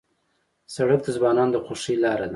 سړک د ځوانانو د خوښۍ لاره ده.